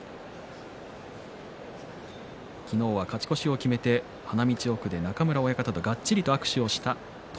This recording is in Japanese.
昨日は勝ち越しを決めて花道の奥で中村親方とがっちりと握手をしていました。